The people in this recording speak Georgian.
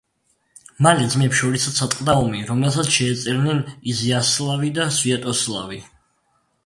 მალე ძმებს შორისაც ატყდა ომი, რომელსაც შეეწირნენ იზიასლავი და სვიატოსლავი.